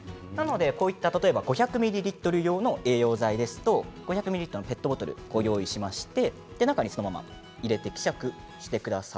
こういった５００ミリリットル用の栄養剤ですと５００ミリリットルのペットボトルを用意しまして中にそのまま入れて希釈してください。